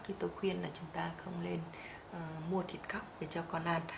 thì tôi khuyên là chúng ta không nên mua thịt khóc để cho con ăn